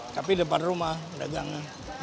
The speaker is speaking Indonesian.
tapi depan rumah dagangnya